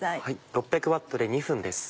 ６００Ｗで２分です。